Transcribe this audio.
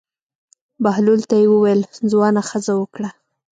بهلول ته یې وویل: ځوانه ښځه وکړه.